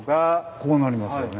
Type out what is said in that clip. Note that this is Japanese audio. こうなりますよね。